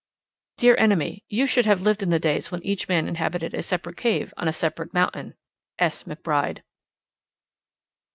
Dear Enemy: You should have lived in the days when each man inhabited a separate cave on a separate mountain. S. McBRIDE.